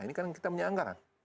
ini kan kita punya anggaran